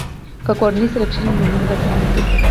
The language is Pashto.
که کورنۍ سره کښېني، نو مینه به زیاته شي.